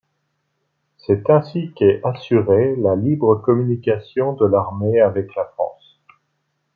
C'est ainsi qu'est assurée la libre communication de l'armée avec la France.